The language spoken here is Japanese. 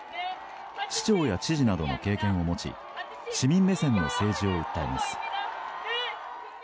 市長や知事などの経験を持ち市民目線の政治を訴えます。